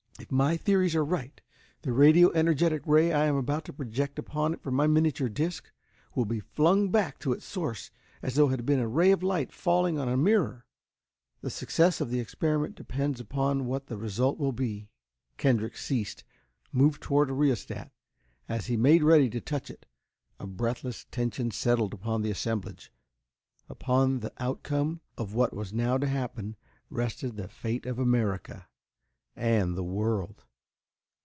If my theories are right, the radio energetic ray I am about to project upon it from my miniature disc will be flung back to its source as though it had been a ray of light falling on a mirror. The success of the experiment depends upon what the result will be." Kendrick ceased, moved toward a rheostat. As he made ready to touch it, a breathless tension settled upon the assemblage. Upon the outcome of what was now to happen rested the fate of America and the world.